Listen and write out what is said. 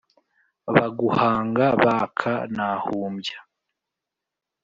Baguhanga baka nahumbya